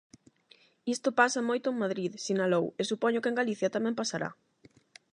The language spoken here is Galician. "Isto pasa moito en Madrid", sinalou, "e supoño que en Galicia tamén pasará".